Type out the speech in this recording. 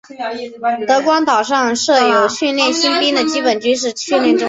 德光岛上设有训练新兵的基本军事训练中心。